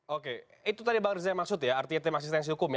oke itu tadi bang riza maksud ya artinya tim asistensi hukum ya